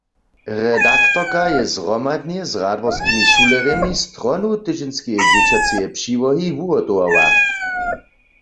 Redaktorka je zhromadnje z Radworskimi šulerjemi stronu tydźenskeje dźěćaceje přiłohi wuhotowała.